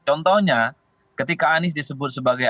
contohnya ketika anies disebut sebagai